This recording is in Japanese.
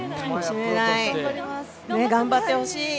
頑張ってほしい。